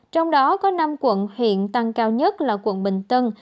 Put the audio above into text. trong đó có năm quận hiện tăng cao nhất là quận bình tân